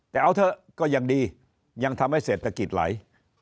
แต่เอาเถอะก็ยังดียังทำให้เศรษฐกิจไหล